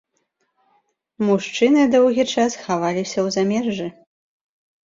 Мужчыны доўгі час хаваліся ў замежжы.